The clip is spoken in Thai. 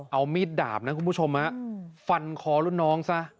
เอามีดดาบนะคุณผู้ชมฟันคอรุ่นน้องซะ